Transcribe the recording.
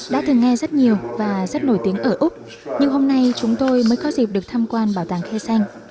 đã thường nghe rất nhiều và rất nổi tiếng ở úc nhưng hôm nay chúng tôi mới có dịp được tham quan bảo tàng khe xanh